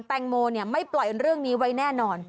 แตงโมไม่ปล่อยเรื่องนี้ไว้แน่นอน